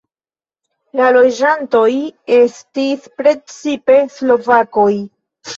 La loĝantoj estis precipe slovakoj.